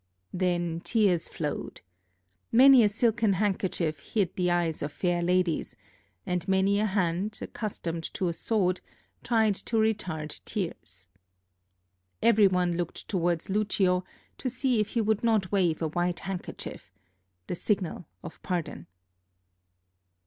Then tears flowed. Many a silken handkerchief hid the eyes of fair ladies, and many a hand, accustomed to a sword, tried to retard tears. Every one looked towards Lucio to see if he would not wave a white handkerchief the signal of pardon.